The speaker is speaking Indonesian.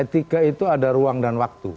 tiga itu ada ruang dan waktu